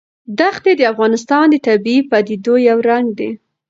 دښتې د افغانستان د طبیعي پدیدو یو رنګ دی.